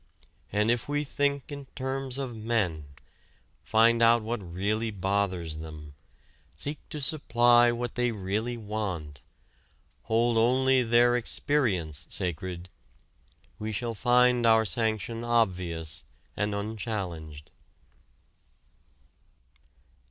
And if we think in terms of men, find out what really bothers them, seek to supply what they really want, hold only their experience sacred, we shall find our sanction obvious and unchallenged.